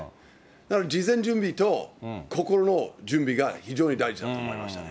だから事前準備と、心の準備が非常に大事だと思いましたね。